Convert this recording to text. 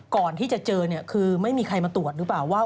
ก่อนที่จะเจอคือไม่มีใครมาตรวจหรือเปล่า